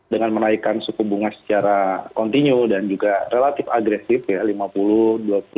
dengan menaikkan suku bunga secara kontinu dan juga relatif agresif ya